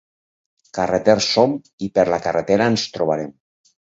Carreters som i per la carretera ens trobarem.